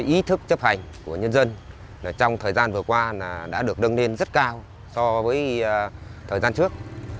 ý thức chấp hành của nhân dân trong thời gian vừa qua đã được đâng lên rất cao so với thời gian trước